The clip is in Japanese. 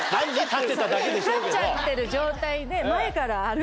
立っちゃってる状態で。